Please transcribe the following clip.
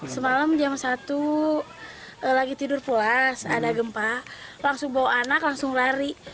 semalam jam satu lagi tidur puas ada gempa langsung bawa anak langsung lari